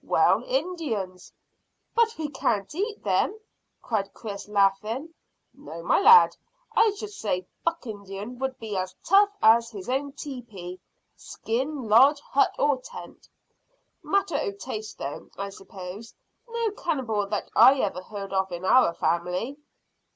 "Well, Indians." "But we can't eat them," cried Chris, laughing. "No, my lad; I should say buck Indian would be as tough as his own teepee [skin lodge, hut, or tent]. Matter o' taste, though, I s'pose. No cannibal that I ever heard of in our family."